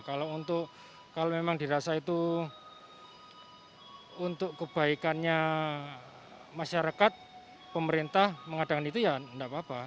kalau memang dirasa itu untuk kebaikannya masyarakat pemerintah mengadangan itu ya tidak apa apa